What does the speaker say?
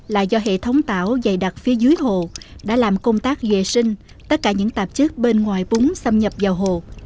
là do hệ thống tảo dày đặc phía dưới hồ đã làm công tác vệ sinh tất cả những tạp chất bên ngoài búng xâm nhập vào hồ